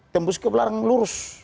tembus ke belakang lurus